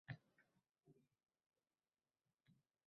Odila va Samiha bog'da edi.